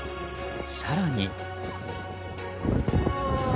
更に。